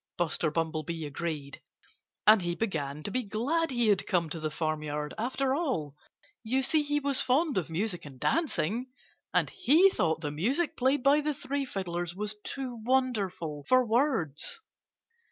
Buster Bumblebee agreed. And he began to be glad he had come to the farmyard, after all. You see, he was fond of music and dancing. And he thought the music played by the three fiddlers was too wonderful for words.